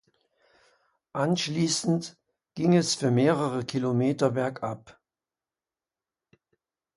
Anschließend ging es für mehrere Kilometer bergab.